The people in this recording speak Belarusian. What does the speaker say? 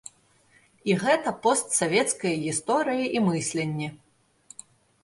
І гэта постсавецкая гісторыя і мысленне.